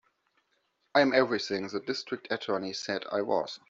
I'm everything the District Attorney said I was.